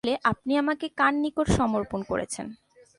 তাহলে আপনি আমাকে কার নিকট সমর্পণ করছেন?